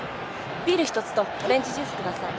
ビール１つとオレンジジュース下さい。